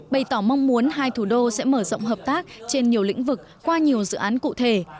bày tỏ mong muốn hai thủ đô sẽ mở rộng hợp tác trên nhiều lĩnh vực qua nhiều dự án cụ thể